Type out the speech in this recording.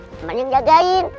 paman yang jagain